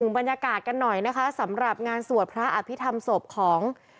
บรรยากาศกันหน่อยนะคะสำหรับงานสวดพระอภิษฐรรมศพของ